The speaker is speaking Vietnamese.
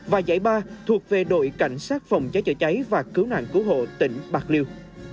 và giải ba thuộc về đội cảnh sát phòng cháy chữa cháy và cứu nạn cứu hộ tỉnh bạc liêu